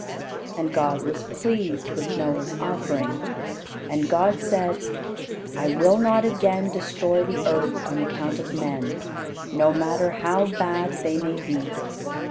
And God was pleased with Noah's offering, and God said: "I will not again destroy the earth on account of men, no matter how bad they may be.